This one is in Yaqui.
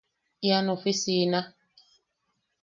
Ian ofisina...